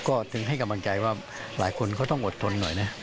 ก็ถึงให้กำลังใจว่าหลายคนเขาต้องอดทนหน่อยนะ